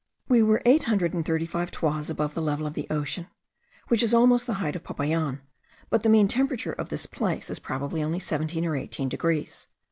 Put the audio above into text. We were eight hundred and thirty five toises above the level of the ocean, which is almost the height of Popayan; but the mean temperature of this place is probably only 17 or 18 degrees.